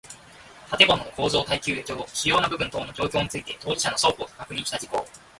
建物の構造耐力上主要な部分等の状況について当事者の双方が確認した事項